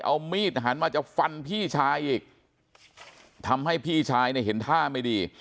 เอามีดหันมาจะฟันพี่ชายอีกทำให้พี่ชายเนี่ยเห็นท่าไม่ดี